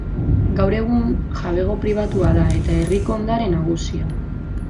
Gaur egun, jabego pribatua da, eta herriko ondare nagusia.